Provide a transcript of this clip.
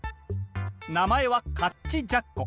名前はカッチ・ジャッコ。